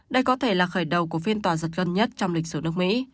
đây có thể là khởi đầu của phiên tòa giật gần nhất trong lịch sử nước mỹ